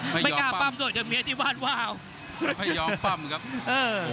ไม่กล้าปั้มด้วยเดี๋ยวเมียที่วาดวาวไม่ยอมปั้มครับโอ้